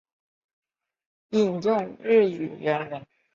引用日语原文